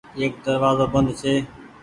ايڪ دروآزو بند ڇي۔